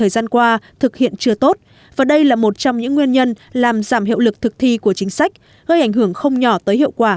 gây ảnh hưởng không nhỏ tới hiệu quả